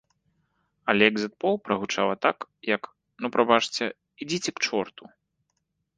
Але экзітпол прагучала так, як, ну прабачце, ідзіце к чорту!